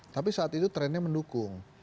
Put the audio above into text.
tapi saat itu trennya mendukung